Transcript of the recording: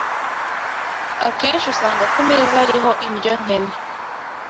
Akenshi usanga ku meza hariho indyo nkene